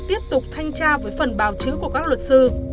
tiếp tục thanh tra với phần bào chữa của các luật sư